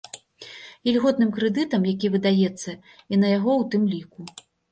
Ільготным крэдытам, які выдаецца і на яго ў тым ліку.